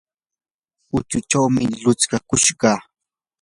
huchuchawmi lutskakushqa.